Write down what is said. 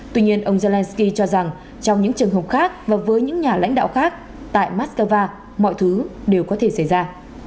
tuy nhiên ông zelensky cho rằng trong những trường hợp khác và với những nhà lãnh đạo khác tại moscow mọi thứ đều có thể xảy ra